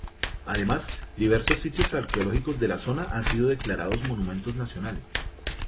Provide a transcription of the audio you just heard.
Además, diversos sitios arqueológicos de la zona han sido declarados monumentos nacionales.